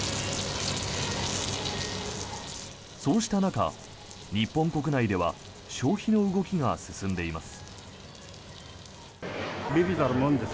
そうした中、日本国内では消費の動きが進んでいます。